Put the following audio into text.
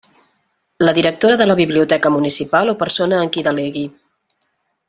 La Directora de la Biblioteca Municipal o persona en qui delegui.